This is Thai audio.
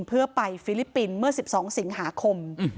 เพื่อไปฟิลิปปินเมื่อสิบสองสิงหาคม